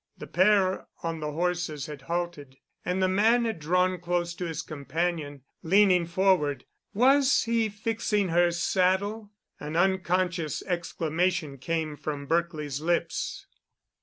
The pair on the horses had halted, and the man had drawn close to his companion, leaning forward. Was he fixing her saddle? An unconscious exclamation came from Berkely's lips.